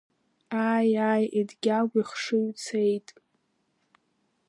Ааи, ааи, Едгьагә ихшыҩ цеит!